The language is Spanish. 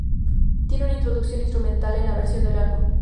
Tiene una introducción instrumental en la versión del álbum.